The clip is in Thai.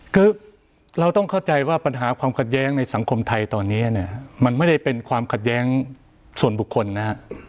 คือเราต้องเข้าใจว่าปัญหาความขัดแย้งในสังคมไทยตอนนี้เนี่ยมันไม่ได้เป็นความขัดแย้งส่วนบุคคลนะฮะ